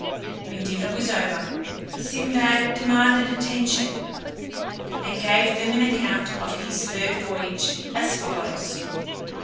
When dinner was over, Sinbad demanded attention, and gave them an account of his third voyage, as follows.